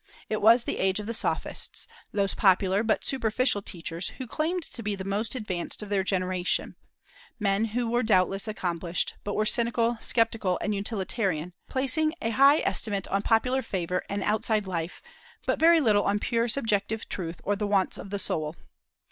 It was the age of the Sophists, those popular but superficial teachers who claimed to be the most advanced of their generation; men who were doubtless accomplished, but were cynical, sceptical, and utilitarian, placing a high estimate on popular favor and an outside life, but very little on pure subjective truth or the wants of the soul.